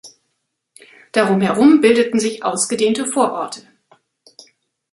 Darum herum bildeten sich ausgedehnte Vororte.